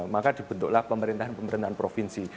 maka dibentuklah pemerintahan pemerintahan provinsi